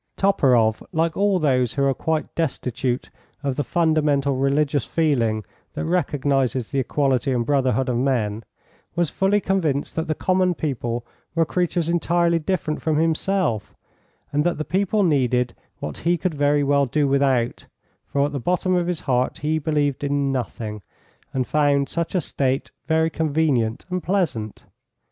Toporoff, like all those who are quite destitute of the fundamental religious feeling that recognises the equality and brotherhood of men, was fully convinced that the common people were creatures entirely different from himself, and that the people needed what he could very well do without, for at the bottom of his heart he believed in nothing, and found such a state very convenient and pleasant.